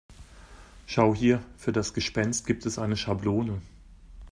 Schau hier, für das Gespenst gibt es eine Schablone.